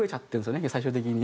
最終的に。